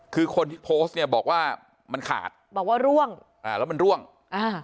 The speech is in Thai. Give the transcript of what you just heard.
คือคนที่โพสต์เนี้ยบอกว่ามันขาดบอกว่าร่วงอ่าแล้วมันร่วงอ่า